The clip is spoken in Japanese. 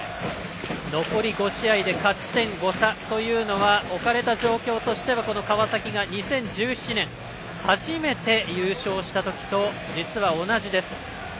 残り５試合で勝ち点５差というのは置かれた状況としては川崎が２０１７年に初めて優勝した時と実は同じです。